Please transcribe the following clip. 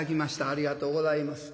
ありがとうございます。